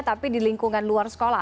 tapi di lingkungan luar sekolah